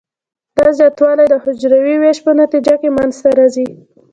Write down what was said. دا زیاتوالی د حجروي ویش په نتیجه کې منځ ته راځي.